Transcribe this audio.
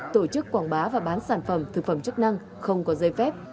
tổ chức quảng bá và bán sản phẩm thực phẩm chức năng không có dây phép